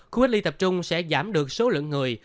khu cách ly tập trung sẽ giảm được số lượng người